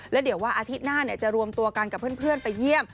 แล้วเดี๋ยวว่าอาทิตย์หน้าจะรวมตัวกันกับเพื่อนไปเยี่ยม